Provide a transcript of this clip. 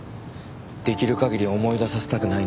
できる限り思い出させたくないんです。